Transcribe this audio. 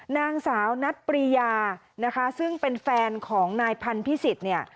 นางสาวนัทปรียาซึ่งเป็นแฟนของนายพันธุ์พิสิทธิ์